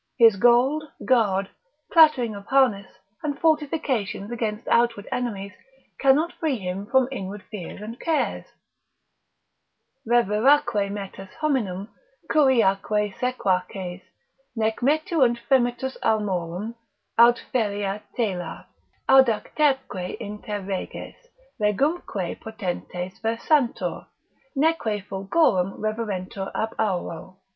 His gold, guard, clattering of harness, and fortifications against outward enemies, cannot free him from inward fears and cares. Reveraque metus hominum, curaeque sequaces Nec metuunt fremitus armorum, aut ferrea tela, Audacterque inter reges, regumque potentes Versantur, neque fulgorem reverentur ab auro.